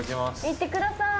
行ってください！